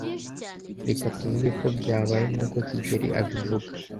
Reka tuvuge ko byabaye nkuko kigeli abivuga.